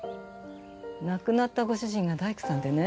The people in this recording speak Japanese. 亡くなったご主人が大工さんでね。